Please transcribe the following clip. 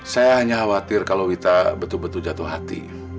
saya hanya khawatir kalau kita betul betul jatuh hati